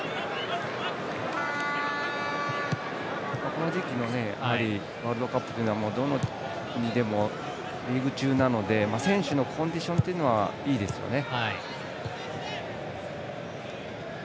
この時期のワールドカップというのはリーグ中なので選手のコンディションというのはいいですよね。